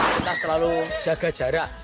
kita selalu jaga jarak